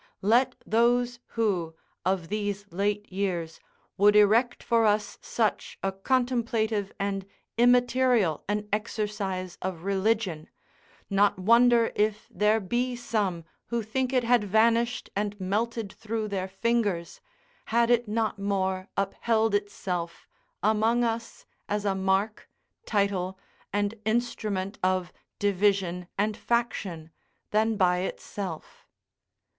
Let those who, of these late years, would erect for us such a contemplative and immaterial an exercise of religion, not wonder if there be some who think it had vanished and melted through their fingers had it not more upheld itself among us as a mark, title, and instrument of division and faction, than by itself.